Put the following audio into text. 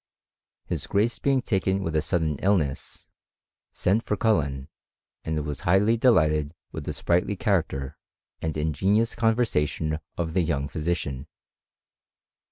His Grace being taken with a sudden illness, sent for Cullen, and was highly delighted with the sprightly character, and ingenious conversation of the young physician.